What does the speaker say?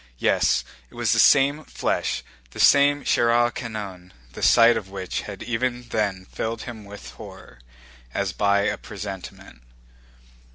Yes, it was the same flesh, the same chair à canon, the sight of which had even then filled him with horror, as by a presentiment.